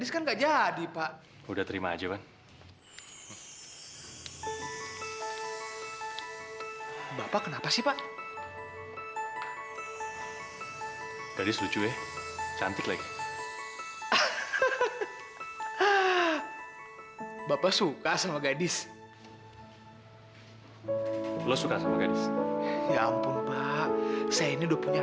sampai jumpa di video selanjutnya